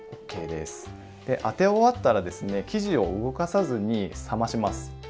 で当て終わったら生地を動かさずに冷まします。